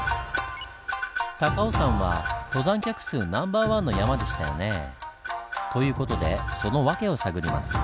高尾山は登山客数ナンバーワンの山でしたよね。という事でその訳を探ります。